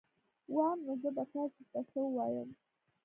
وام نو زه به تاسي ته څه ووایم